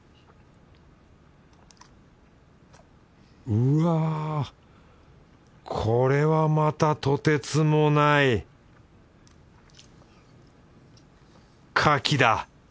うわこれはまたとてつもない牡蠣だ。